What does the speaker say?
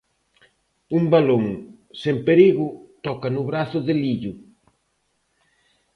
Un balón sen perigo toca no brazo de Lillo.